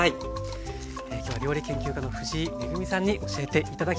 今日は料理研究家の藤井恵さんに教えて頂きました。